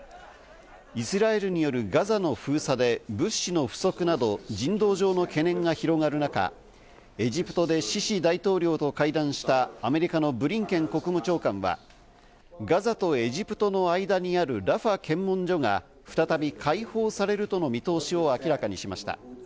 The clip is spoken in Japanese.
イスラエルによるガザの封鎖で物資の不足など、人道上の懸念が広がる中、エジプトでシシ大統領と会談した、アメリカのブリンケン国務長官はガザとエジプトの間にあるラファ検問所が再び開放されるとの見通しを明らかにしました。